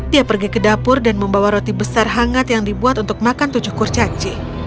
dia pergi ke dapur dan membawa roti besar hangat yang dibuat untuk makan tujuh kurcaci